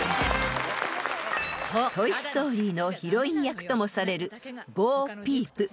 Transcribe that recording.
［『トイ・ストーリー』のヒロイン役ともされるボー・ピープ］